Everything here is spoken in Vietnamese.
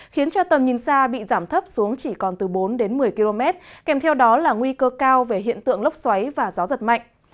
khiến cho tầm nhìn xa bị giảm thấp xuống chỉ còn từ bốn đến một mươi km kèm theo đó là nguy cơ cao về hiện tượng lốc xoáy và gió giật mạnh